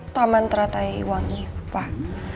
taman teratai wangi pak